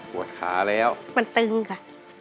ปวดขาแล้วมันตึงค่ะ